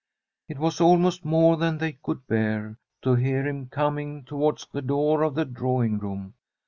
It was almost more than they could bear, to hear him coming towards the door of the draw ing room.